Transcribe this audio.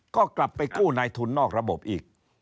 ก็กลับไปกู้นายทุนนอกระบบอีก